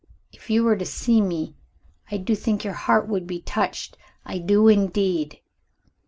If you were to see me, I do think your heart would be touched; I do indeed!"